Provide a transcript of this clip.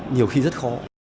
nhiều khi rất khó